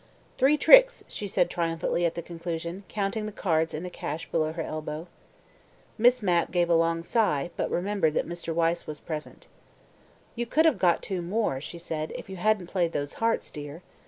"Three tricks," she said triumphantly at the conclusion, counting the cards in the cache below her elbow. Miss Mapp gave a long sigh, but remembered that Mr. Wyse was present. "You could have got two more," she said, "if you hadn't played those hearts, dear.